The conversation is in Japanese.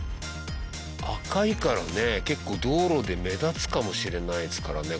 赤いからね結構道路で目立つかもしれないですからね。